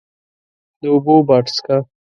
د اوبو باډسکه،